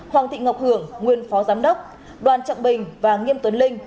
hoàng thị ngọc hưởng nguyên phó giám đốc đoàn trọng bình và nghiêm tuấn linh